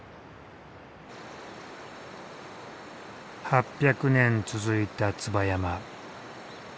８００年続いた椿山。